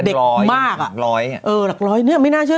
เด็กมากหลัก๑๐๐นี่ไม่น่าเชื่อ